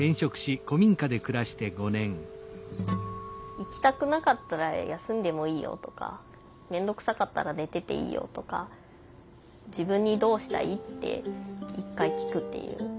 行きたくなかったら休んでもいいよとかめんどくさかったら寝てていいよとか自分に「どうしたい？」って一回聞くっていう。